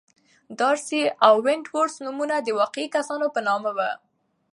دارسي او ونت وُرث نومونه د واقعي کسانو په نامه وو.